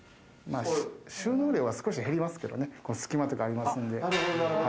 収納量は少し減りますけどね、隙間とかありますんで。